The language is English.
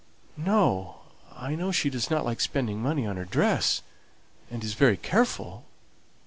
"No. I know she doesn't like spending money on her dress, and is very careful."